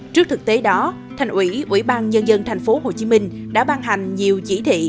trước thực tế đó thành ủy ủy ban nhân dân thành phố hồ chí minh đã ban hành nhiều chỉ thị